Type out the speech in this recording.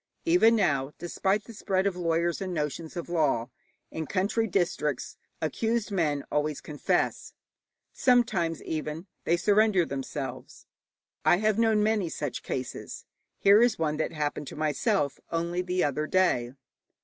Even now, despite the spread of lawyers and notions of law, in country districts accused men always confess, sometimes even they surrender themselves. I have known many such cases. Here is one that happened to myself only the other day.